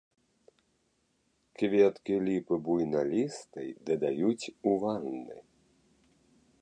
Кветкі ліпы буйналістай дадаюць ў ванны.